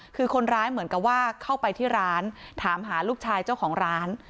คือคนร้ายเหมือนกับว่าเข้าไปที่ร้านถามหาลูกชายเจ้าของร้าน